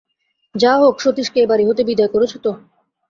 যা হোক, সতীশকে এ বাড়ি হতে বিদায় করেছ তো?